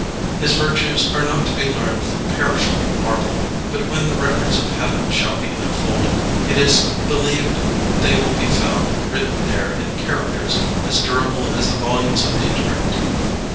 His virtues are not to be learned from perishable marble; but when the records of Heaven shall be unfolded it is believed they will be found written there in characters as durable as the volumes of eternity.